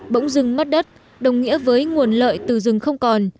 bỗng rừng mất đất đồng nghĩa với nguồn lợi từ rừng không còn